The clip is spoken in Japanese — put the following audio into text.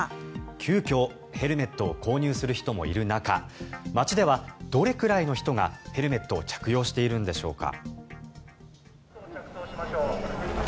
急きょヘルメットを購入する人もいる中街ではどれくらいの人がヘルメットを着用しているんでしょうか。